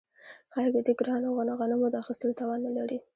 خلک د دې ګرانو غنمو د اخیستلو توان نلري